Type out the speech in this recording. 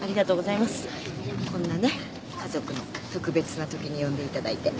こんなね家族の特別なときに呼んでいただいて。